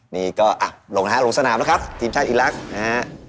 นี่ก็อ่ะลงนะฮะลงสนามแล้วครับทีมชาติอีลักษณ์นะฮะ